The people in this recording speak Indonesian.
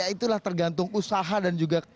itulah tergantung usaha dan juga